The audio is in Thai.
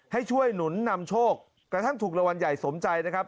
ให้ช่วยหนุนนำโชคกระทั่งถูกรางวัลใหญ่สมใจนะครับ